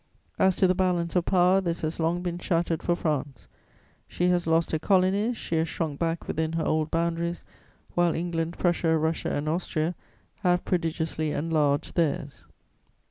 As to the balance of power, this has long been shattered for France; she has lost her colonies, she has shrunk back within her old boundaries, while England, Prussia, Russia and Austria have prodigiously enlarged theirs.